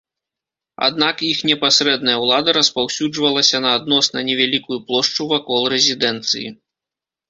Аднак іх непасрэдная ўлада распаўсюджвалася на адносна невялікую плошчу вакол рэзідэнцыі.